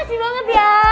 makasih banget ya